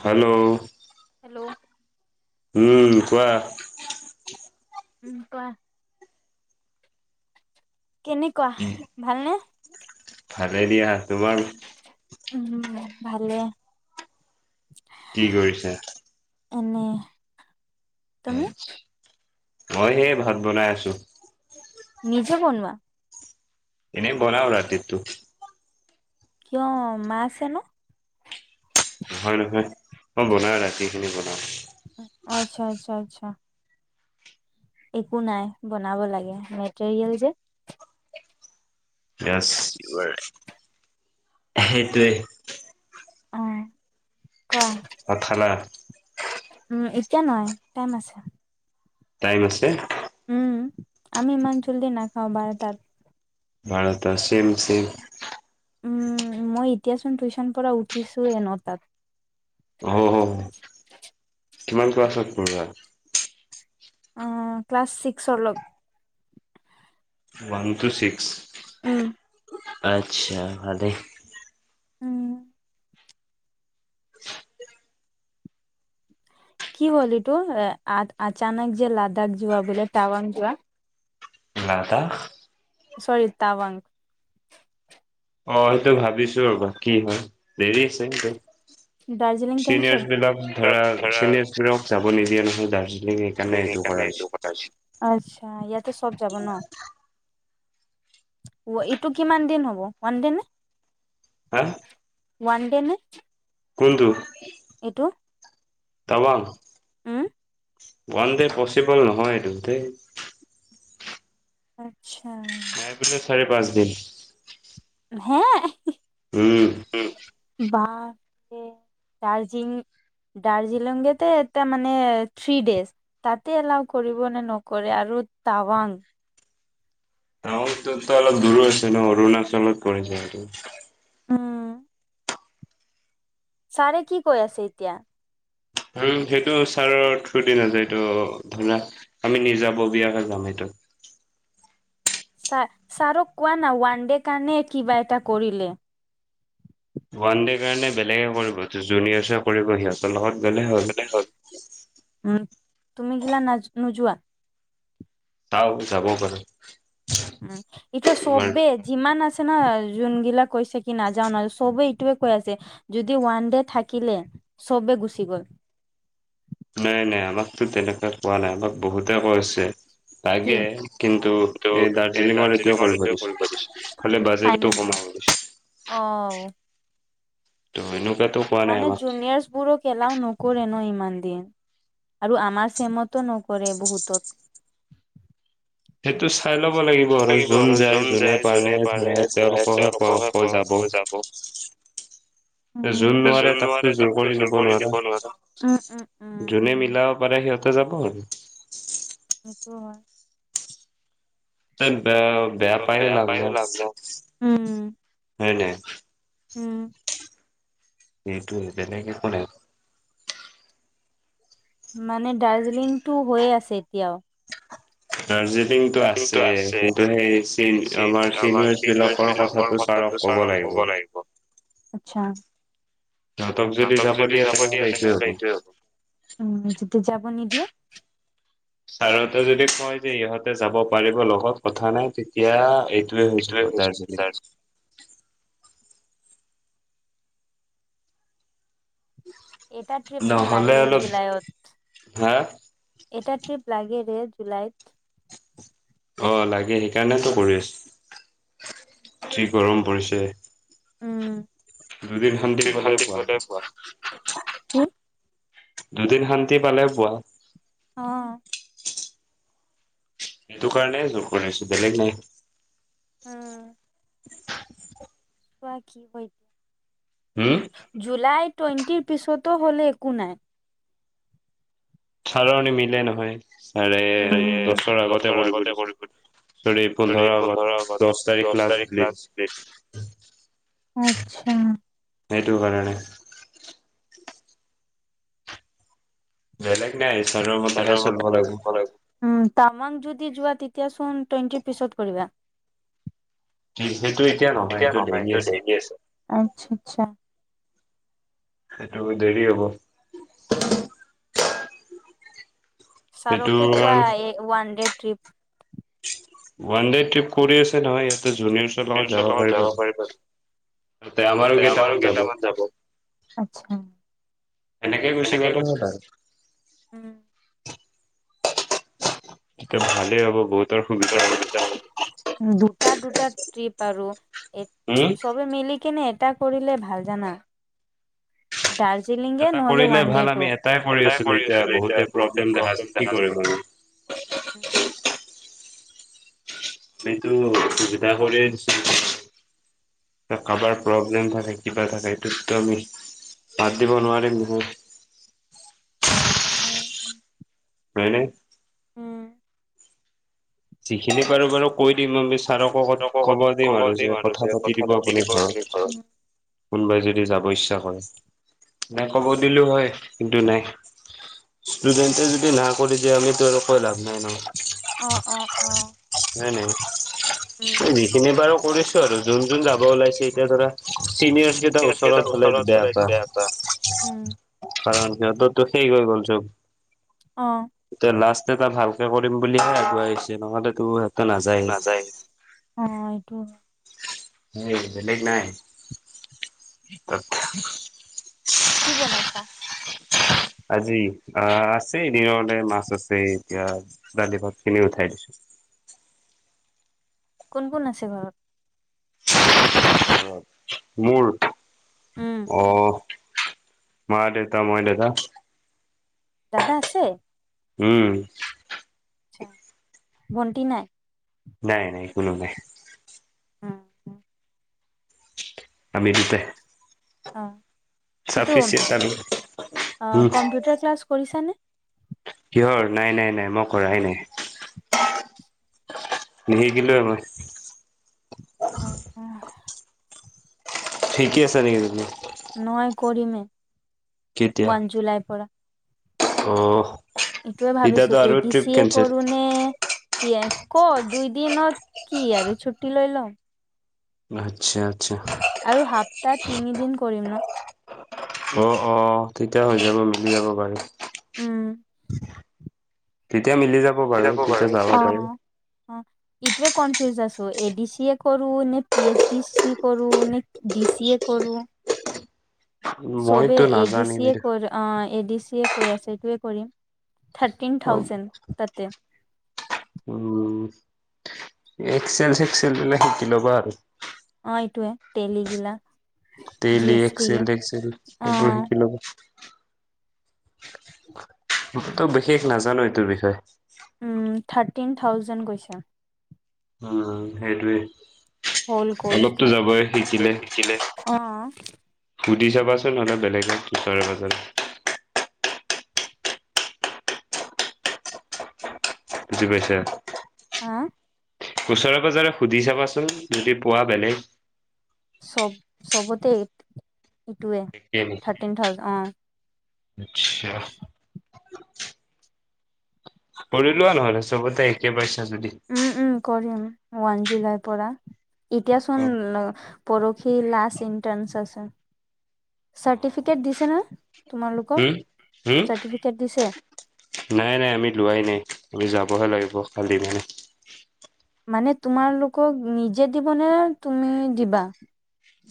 Hello. Hello. উম কোৱা। উম কোৱা। কেনেকুৱা ভালনে? ভালে দিয়া। তোমাৰ? উম ভালে। কি কৰিছা? এনে, তুমি? মই সেই ভাত বনাই আছোঁ নিজে বনোৱা এনে বনাও ৰাতিৰটো কিয় মা‌ আছে ন নহয় নহয় মই বনাওঁ ৰাতিৰ খিনি বনাওঁ আচ্ছা আচ্ছা আচ্ছা একো নাই বনাব লাগে মেটেৰিয়েল যে ইয়েচ ইউ আৰ ৰাইট সেইটোৱে কোৱা পথালা উম এতিয়া নাই টাইম আছে টাইম আছে উম আমি ইমান জল্দি নাখাওঁ বাৰটাত [unintelligible] চেম চেম উম মই এতিয়াচোন টিউচন পৰা উঠিছোহে নটাত কিমান ক্লাচত পঢ়োৱা উম ক্লাচ ছিক্সলৈ ওৱান টু ছিক্স উম আচ্ছা ভালেই উম কি হ'ল এটো আ আচানক যে লাডাখ যোৱা বোলে টাৱাং যোৱা লাডাখ চৰি টাৱাং অ' এইটো ভাবিছো ৰ'বা কি হয় দেৰি আছে সেইটো চিনিয়ৰছ বিলাক ধৰা চিনিয়ৰচ বিলাকক যাব নিদিয়ে নহয় দাৰ্জি লিং সেইকাৰণে এইটো কৰা হৈছে আচ্ছা ইয়াতে চব যাব ন ওৱা এইটো কিমান দিন হ'ব ওৱান ডে নে হাঁ ওৱান ডে নে কোনটো টাৱাং ওৱান ডে পচিবল নহয় এইটো ধে- আচ্ছা। নাই বুলিও চাৰি পাঁচ দিন। হে? উম, বাপৰে। দাৰজিং-দাৰ্জিলিংলতে এটা মানে থ্ৰী ডেজ। তাতে এলাও কৰিব নে নকৰে আৰু টাৱাং। সিটোত অলপ দূৰো হৈছে ন' অৰুণাচলত পৰি যায় সিটো। উম। ছাৰে কি কৈ আছে এতিয়া? উম, সেইটো ছাৰৰ থ্ৰু দি নাযায়টো ধৰা আমি নিজাববীয়াকে যাম সেইটো। ছা-ছাৰক কোৱানা ওৱান ডে কাৰণে কিবা এটা কৰিলে। ওৱান ডে কাৰণে বেলেগে কৰিব ত' জুনিয়ৰচে কৰিব সিহঁতৰ লগত গ'লে হ'ল। উম, তুমি গিলা না নোযোৱা? চাও যাবও পাৰো। উম, এইটো চবে যিমান আছে ন' যোনবিলাক কৈছে নাযাওঁ ন' চবেই এইটোৱে আছে। যদি ওৱান দে থাকিলে চবে গুচি গ'ল। নাই নাই আমাকতো তেনেকা কোৱা নাই আমাক বহুতে কৈ আছে। তাকে কিন্তু এই দাৰ্জিলিংৰ এইটোৱে কৰিব দিছোঁ। খালি বাজেটো ক'মাব দিছোঁ। অ'। তো এনেকুৱাতো মানে জুনিয়ৰ্ছ বোৰো এলাও নকৰে ন' ইমান দিন আৰু আমাৰ চেমতো নকৰে বহুতত। সেইটো চাই ল'ব লাগিব আৰু যোন যায় যোনে পাৰে ধৰা তেওঁলোককহে কোৱা হ'ব যাব। যোন নোৱাৰে তাকতো জোৰ কৰি দিব নোৱাৰা। যোনে মিলাব পাৰে সিহঁতে যাব আৰু। সেইটো হয়। [unintelligible] ত' বেয়া পাইও লাভ নাই, উম। হয় নাই? উম। সেইটোয়ে বেলেগ একো নাই। মানে দাৰ্জিলিংটো হৈয়ে আছে এতিয়াও। কিন্তু আছে সেই আমাৰ চিনিয়ৰচ বিলাকৰ কথাটো ছাৰক ক'ব লগিব, আচ্ছা। তাহাঁতক যদি যাব দিয়ে তেনেহ'লে এইটোৱে হ'ব। ছাৰহতে যদি কয় যে ইহঁতে যাব পাৰিব লগত কথা নাই তেতিয়া হৈছে দাৰ্জিলিং। এটা ট্ৰিপচোন লাগে জুলাইত। এটা ট্ৰিপ লাগে ৰে জুলাইত। অ', লাগে সেইকাৰণেতো কৰি আছো, কি গৰম পৰিছে। উম, শান্তি মতে [unintelligible] দুদিন শান্তি পালেও পোৱা। অ'। সেইটো কাৰণে জুৰ কৰি আছো বেলেগ নাই উম কোৱা কি কৰিম হম জুলাই টুৱেণ্টিৰ পিছতো হ'লে একো নাই ছাৰৰ নিমিলে নহয় ছাৰে দছৰ আগতে কৰিব দিছে চৰি পোন্ধৰ আগত দছ তাৰিখ লাষ্ট বুলিচ আচ্ছা সেইটো কাৰণে বেলেগ নাই ছাৰৰ মতেহে চলিব লাগিব উম তামাং যদি যোৱা তেতিয়া চোন টুৱেণ্টি পিছত কৰিবা কি সেইটো এতিয়া নহ এতিয়া নহয় সেইটো দেৰিকে আছে আচ্ছা আচ্ছা সেইটো দেৰি হব ছাৰকে কোৱা এ one day trip one day trip কৰি আছে নহয় ইয়াতে জুনিৰ সেতৰ লগত যাব পাৰিবা তে আমাৰো কেইটামান যাব আচ্ছা এনেকে গুচি গুছি যোৱাটো বেটাৰ উম এতা ভালেই হ'ব বহুত [unintelligible] দুটা দুটা ট্ৰিপ আৰু এ চবে মিলি কেনে এটা কৰিলে ভাল জানা দাৰ্জিলিঙে নহলে ৱান ডে টোৰ এটাই কৰি আছিলো এতিয়া বহুতে প্ৰব্লেম দেখাইছে সেটো সুবিধা কৰিয়ে দিছো এতা কাৰোবাৰ প্ৰব্লেম থাকে কিবা থাকে সেইটোত আমি বাদ দিব নোৱাৰিম নহয় হয় নহয়নে? উম সিখিনিক পাৰো বাৰু কৈ দিম মই মিছ ছাৰকো ক ক'ব দিম আৰু যে কথা পাতি দিব আপুনি ঘৰত কোনোবাই যদি যাব ইচ্ছা কৰে এনে ক'ব দিলো হয় কিন্তু নাই ষ্টুডেন্টে যদি না কৰি দিয়ে আমিতো আৰু কৈ লাভ নাই ন হয় নাই এ যিখিনি পাৰো কৰিছ ছো আৰু যোন যোন যাব ওলাইছে এতিয়া ধৰা চিনিয়ৰখি এ ওচৰত হলে বেয়া পা কাৰণ সিহঁততো শেষ হৈ গ'ল চব অ ইতে লাষ্ট এটা ভালকে কৰিম বুলিহে আগুৱাই আহিছে নহ'লে তো নাযায় অ এইটো হয় সেই বেলেগ নাই তাত কি বনাইছা? আজি আ আছে এ দিনৰে মাছ আছে এতিয়া দালি ভাত খিনি উঠাই দিছো কোন কোন আছে ঘৰত? ঘৰত মোৰ অহ মা দেউতা মই দাদা দাদা আছে? উম। আতচ্ছা, ভণ্টি নাই? নাই- নাই কোনো নাই। উম। আমি দুটাই। অ, এইটো অ, কম্পিউটাৰ ক্লাছ কৰিছানে? কিহৰ? নাই- নাই- নাই, মই কৰাই নাই। নিশিকিলোৱে মই। অ। কি কি আছে আজি কালি দিনত? নহয় কৰিমেই ৱান জুলাই পৰা। অঁ। এইটোৱে ভাবিছোঁ এ ডি চিয়ে কৰো নে বি এড ক'ত, দুই দিনত কি আৰু ছু্টি লৈ লম। আতচ্ছা- আতচ্ছা। আৰু সাপ্তাহ তিনিদিন কৰিম ন। অ- অ, তেতিয়া হৈ যাব, মিলি যাব বাৰু। উম। তেতিয়া মিলি যাব বাৰু, তেতিয়া যাব পাৰিম। অ। ইটোৱে কনফিউজ আছোঁ। এ ডি চি এ কৰোঁ নে, পি এইচ ডি চি কৰোঁ নে, ডি চি এ কৰোঁ। চবে এ ডি চি এ কৰে। অ, এ ডি চি এ কৈ আছে এইটোৱে কৰিম। থাৰ্টিন থাউজেণ্ড তাতে। উম, এক্সেল- চেক্সেল বিলাক শিকি ল'বা আৰু। অ, এইটোয়ে টেলি গিলা। টেলি এক্সেল- টেক্সেল এইবোৰ শিকি ল'বা। মইতো বিশেষ নাজানো, এইটোৰ বিষয়ে। থাৰ্টিন থাউজেণ্ড গৈছে। উম, সেইটোৱেই। হল কৰ্চটো, তই দিছিলে, অ। সুধি চাবাচোন নহ'লে, বেলেগ অলপ ওচৰে- পাজৰে। বুজি পাইছা? হা? ওচৰে- পাজৰে সুধি চাবাচোন যদি পোৱা বেলেগ। চব- চবতে এইটোৱে, থাৰ্টিন থাউজেণ্ড, অ। আতচ্ছা। কৰি লোৱা নহ'লে চবতে একে পাইছা যদি। উম, উম, কৰিম ওৱান জুলাইৰ পৰা। এতিয়াচোন পৰহি লাষ্ট ইণ্টাৰ্ণছ আছে। চাৰ্টিফিকেট দিছে নে, তোমালোকক চাৰ্টিফিকেট দিছে? নাই- নাই আমি লোৱাই নাই, আমি যাবহে লাগিব কালি মানে। মানে তোমালোকক নিজে দিব নে, তুমি দিবা?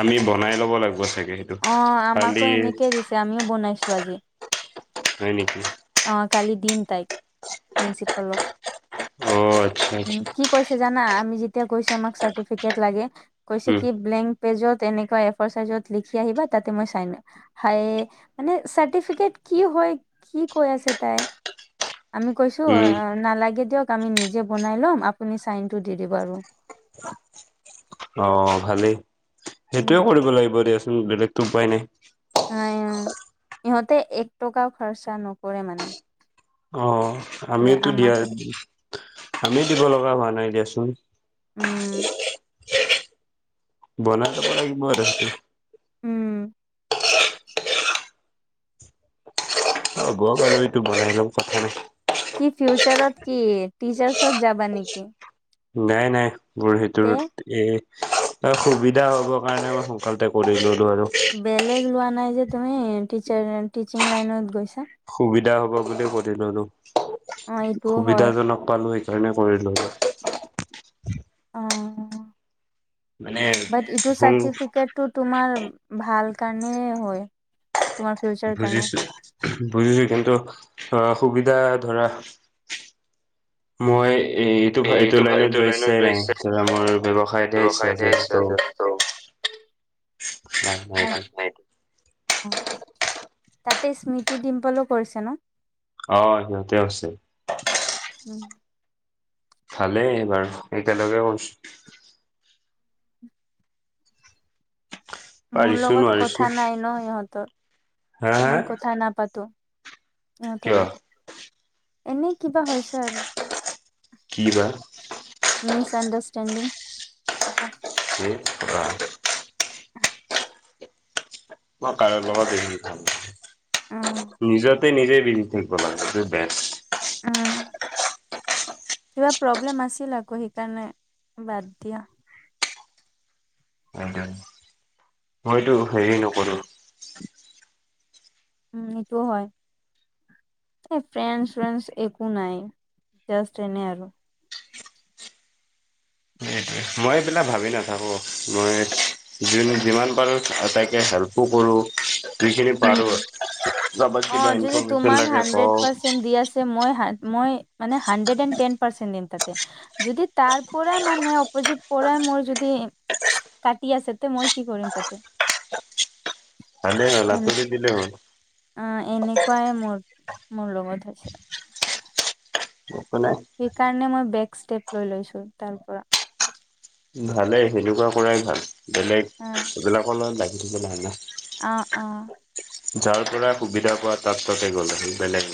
আমি বনাই ল'ব লাগিব চাগে। অ, আমাকো এনেকেই দিছে, আমিও বনাইছো আজি। হয় নেকি? অ কালি দিম তাইক প্ৰিন্সিপালক। অ আচ্ছা আচ্ছা। কৈ জানা আমি যেতিয়া কৈছো আমাক চাৰ্টিফিকেট লাগে কৈছে কি ব্লেংক পেজত এনেকুৱা এফ- -ফৰ চাইজত লিখি আহিবা তাতে মই চাইন মাৰিম। হাই মানে চাৰ্টিফিকেট কি হয় কি কৈ আছে তাই? আমি কৈছো নালাগে দিয়ক আমি নিজে বনাই ল'ম আপুনি চাইনটো দি দিব আৰু। অ ভালেই সেইটোৱে কৰিব লাগিব দিয়াচোন বেলেগতো উপায় নাই। অ ইহঁতে এক টকাও খৰচা নকৰে মানে। অ আমিয়োতো দিয়া আমিও দিব লগা হোৱা নাই দিয়াচোন। উম। বনাই লব লাগিব আৰু। উম। হ'ব বাৰু এইটো বনাই লম কথা নাই। কি ফিউচাৰত কি টিচাৰছত যাবা নেকি? নাই নাই মোৰ সেইটো এ সুবিধা হ'বৰ কাৰণে মই সোনকালে কৰি ললো আৰু। বেলেগ লোৱা নাই যে তুমি টিচাৰ টিচিং লাইনত গৈছা। সুবিধা হব বুলি কৰি ললো সুবিধাজনক পালো। সেই কাৰণে কৰিলোঁ। অ বাট ইটো চাৰ্টিফিকেট -টো তোমাৰ ভাল কাৰণেই হয়। বুজিছো বুজিছো কিন্তু আ ধৰা সুবিধা ধৰা। মই এই এইটো এইটো লাইনত যোৱা ইচ্ছাই নাই মোৰ ব্যৱসায়ত হে ইচ্ছা আছে ত' [inaudible] [inaudible] তাতে স্মৃতি ডিম্পলো কৰিছে ন? অ সিহঁতেও আছে। উম। ভালে এইবাৰ একেলগে কৰিছোঁ। মোৰ লগত কথা নাই ন সিহঁতৰ মই কথা নাপাতোঁ। ইহঁতলৈ এনেই কিবা হৈছে আৰু। কি বা? মিছ আণ্ডাৰষ্টেণ্ডিং কিবা। [inaudible] [inaudible] মই কাৰ লগত হেৰি নাথাকো নিজৰ নিজেই নিজৰ বিজি থাকিব লাগ সেইটোৱে বেষ্ট। উম। কিবা প্ৰব্লেম আছিল আকৌ সেইকাৰণে বাদ দিয়া। সেইটো মইতো হেৰি নকৰো। উম এইটোও হয়। ফ্ৰেণ্ড চেৰেড একো নাই জাষ্ট এনেই আৰু। মই এইবিলাক ভাবি নাথাকোঁ মই [inaudible] যিমান পাৰো, আটাইকে হেপ্লো কৰো। যিখিনি পাৰো, কাৰাবা কিবা ইনফৰমেশ্যন লাগে কওঁ। মই, মই মানে হাড্ৰেডট এন্দ, ট্ৰেন পাৰ্চ দিম তাতে। যদি তাৰ পৰা মানে, অপজিট পৰা মোৰ যদি কাটি আছে তে, মই কি কৰিম তাতে? ভালে হ'ল, আতহি দিলে হ'ল। অ, এনেকুৱাই মোৰ, মোৰ লগত হৈছে। একো নাই। সেইকাৰণে মই বেক ষ্টেপ লৈ লৈছো, তাৰ পৰা। ভালেই, এনেকুৱা কৰাই ভাল, বেলেগ এইবিলাকৰ লগত লাগি থাকি লাভ নাই। অ, অ, যাৰ পৰা সুবিধা পোৱা, তাত তাতে গ'ল আহ বেলেগ।